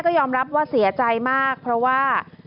โปรดติดตามต่อไป